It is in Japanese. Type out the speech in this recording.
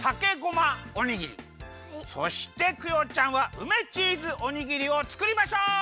そしてクヨちゃんはうめチーズおにぎりをつくりましょう！